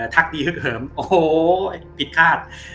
พักดีฮึกเหิมโอ้โหผิดคาด